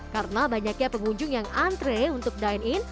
karena banyaknya pengunjung yang antre untuk dine in